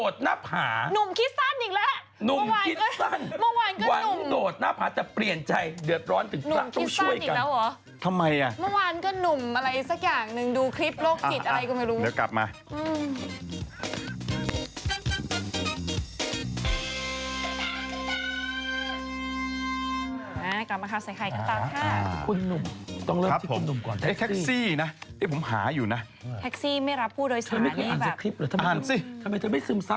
ใช่วันนี้หนูเปลี่ยนกินน้ำหอมให้เมียเธอที่บ้านฉีด